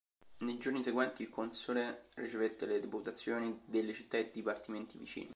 Nei giorni seguenti, il console ricevette le deputazioni delle città e dipartimenti vicini.